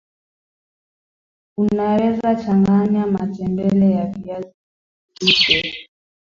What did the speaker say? unaweza changanya ya matembele ya viazi lishe